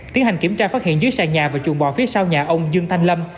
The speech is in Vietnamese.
tiến hành kiểm tra phát hiện dưới sàn nhà và chuồng bò phía sau nhà ông dương thanh lâm